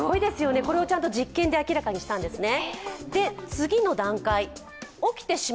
これをちゃんと実験で明らかにしたんですね。